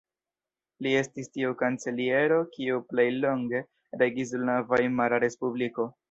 Li estis tiu kanceliero kiu plej longe regis dum la Vajmara Respubliko.